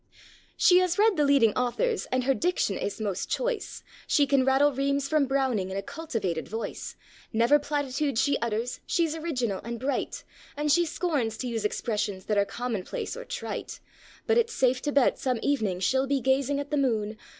ŌĆØ She has read the leading authors and her diction is most choice; She can rattle reams from Brown ing in a cultivated voice. g Never platitude she utters, sheŌĆÖs original and bright. And she scorns to use expressions that are commonplace or trite; But itŌĆÖs safe to bet some evening she'll be gazing at the moon.